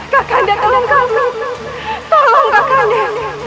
kak kanda tolong kami tolong kak kanda